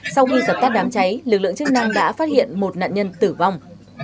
sau khi dập tắt đám cháy lực lượng chức năng đã phát hiện một nạn nhân tử vong